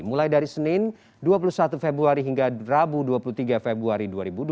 mulai dari senin dua puluh satu februari hingga rabu dua puluh tiga februari dua ribu dua puluh